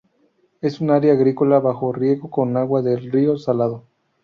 Es un área agrícola bajo riego con agua del río Salado.